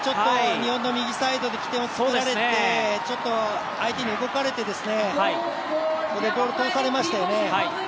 日本の右サイドの起点を見られてちょっと相手に動かれてここでボール通されましたよね。